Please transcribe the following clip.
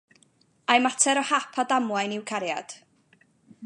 Ai mater o hap a damwain yw cariad?